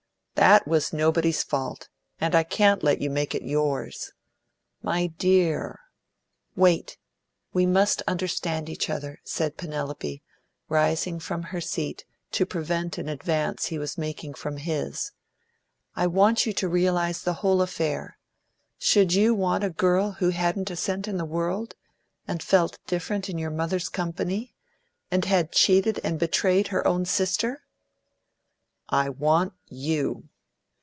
"That was nobody's fault, and I can't let you make it yours. My dear " "Wait. We must understand each other," said Penelope, rising from her seat to prevent an advance he was making from his; "I want you to realise the whole affair. Should you want a girl who hadn't a cent in the world, and felt different in your mother's company, and had cheated and betrayed her own sister?" "I want you!"